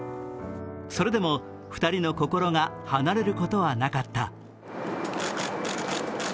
それでも２人の心が離れることはなかった。